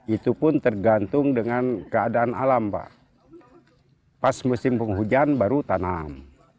itu pun tergantung dengan keadaan alam pak pas musim penghujan baru tanam